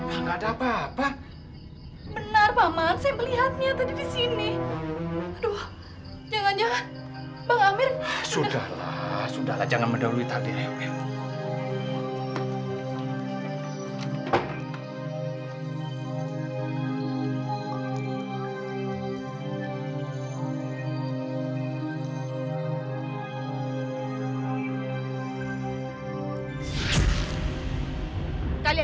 sampai jumpa di video selanjutnya